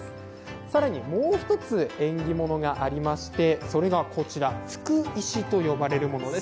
更にもう１つ、縁起物がありまして、福石と呼ばれるものです。